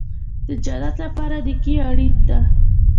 د جنت لپاره نیکي اړین ده